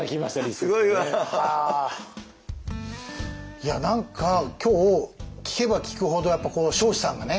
いや何か今日聞けば聞くほどやっぱこの彰子さんがね